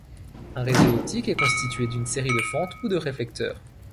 Un réseau optique est constitué d'une série de fentes ou de réflecteurs.